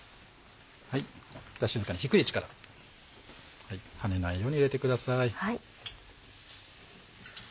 では静かに低い位置から跳ねないように入れてください。